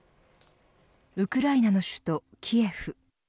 ウクライナの首都キエフ。